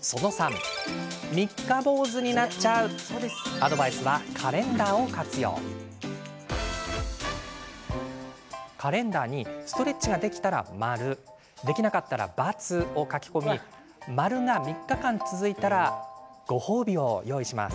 アドバイスはカレンダーにストレッチができたら○できなかったら×を書き込み○が３日間、続いたらご褒美を用意します。